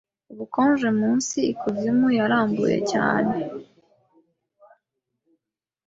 ubukonje munsi Ikuzimu yarambuye cyane